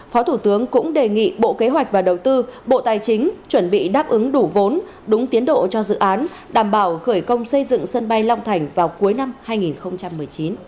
phó thủ tướng cũng đề nghị bộ kế hoạch và đầu tư bộ tài chính chuẩn bị đáp ứng đủ vốn đúng tiến độ cho dự án đảm bảo khởi công xây dựng sân bay long thành vào cuối năm hai nghìn một mươi chín